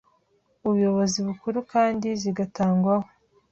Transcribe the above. ubuyobozi bukuru kandi zigatangwaho